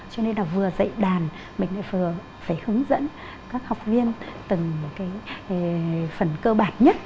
cho nên là vừa dạy đàn mình lại vừa phải hướng dẫn các học viên từng phần cơ bản nhất